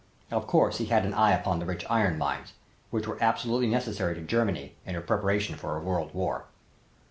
Of course he had an eye upon the rich iron mines which were absolutely necessary to Germany in her preparation for a world war.